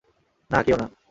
না, কেউ না।